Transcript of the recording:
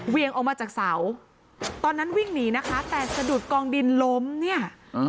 ออกมาจากเสาตอนนั้นวิ่งหนีนะคะแต่สะดุดกองดินล้มเนี่ย